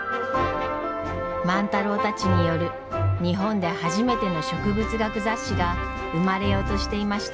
万太郎たちによる日本で初めての植物学雑誌が生まれようとしていました。